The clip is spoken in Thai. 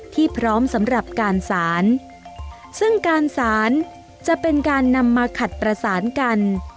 พร้อมสำหรับการสารซึ่งการสารจะเป็นการนำมาขัดประสานกัน